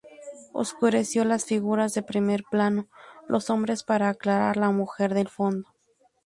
Oscureció las figuras de primer plano: los hombres, para aclarar la mujer del fondo.